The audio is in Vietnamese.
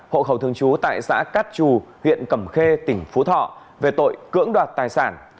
hộ khẩu thường trú tại xã cát trù huyện cẩm khê tỉnh phú thọ về tội cưỡng đoạt tài sản